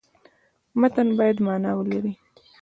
متن باید معنا ولري.